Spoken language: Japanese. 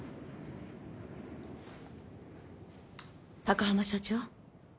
高濱社長。